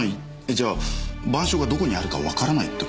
じゃあ『晩鐘』がどこにあるかわからないってこと？